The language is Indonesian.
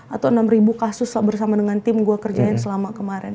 atau enam kasus bersama dengan tim gue kerjain selama kemarin